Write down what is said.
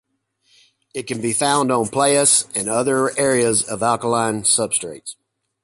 It can be found on playas and other areas of alkaline substrates.